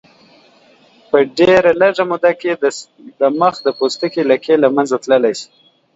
په ډېرې لږې موده کې د مخ د پوستکي لکې له منځه تللی شي.